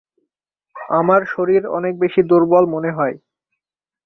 আমার শরীর অনেক বেশি দুর্বল মনে হয়।